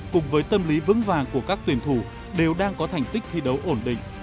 cùng với tâm lý vững vàng của các tuyển thủ đều đang có thành tích thi đấu ổn định